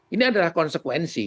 ini adalah konsekuensi